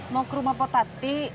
mau ke rumah potati